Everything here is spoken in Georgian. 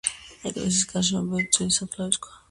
ეკლესიის გარშემო ბევრი ძველი საფლავის ქვაა.